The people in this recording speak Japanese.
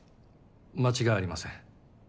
間違いありません。